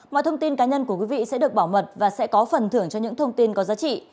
mọi thông tin cá nhân của quý vị sẽ được bảo mật và sẽ có phần thưởng cho những thông tin có giá trị